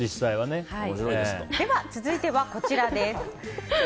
続いてはこちらです。